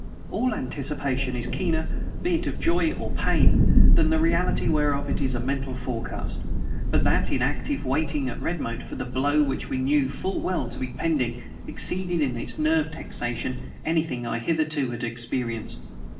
All anticipation is keener, be it of joy or pain, than the reality whereof it is a mental forecast; but that inactive waiting at Redmoat, for the blow which we knew full well to be pending exceeded in its nerve taxation, anything I hitherto had experienced.